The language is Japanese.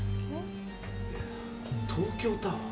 東京タワー。